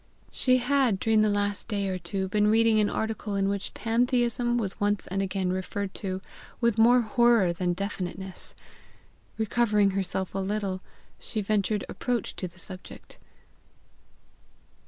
She had, during the last day or two, been reading an article in which PANTHEISM was once and again referred to with more horror than definiteness. Recovering herself a little, she ventured approach to the subject.